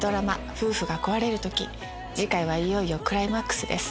『夫婦が壊れるとき』次回はいよいよクライマックスです。